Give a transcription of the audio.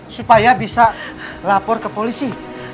supaya bisa lapor ke polisi